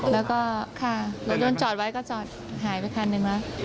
แล้วก็ค่ะรถยนต์จอดไว้ก็จอดหายไปคันหนึ่งวะ